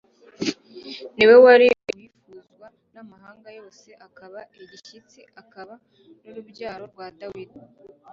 Ni We wari Uwifuzwa n'amahanga yose, akaba Igishyitsi, akaba n'Urubyaro rwa Dawidi,